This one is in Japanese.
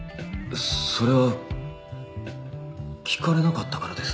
それは聞かれなかったからです。